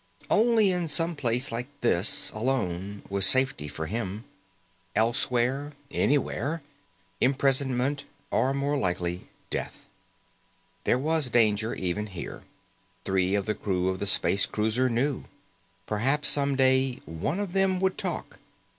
Only in some place like this, alone, was safety for him. Elsewhere anywhere imprisonment or, more likely, death. There was danger, even here. Three of the crew of the space cruiser knew. Perhaps, someday, one of them would talk.